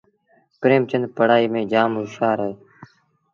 پريمچندپڙهآئيٚ ميݩ جآم هوشآر اهي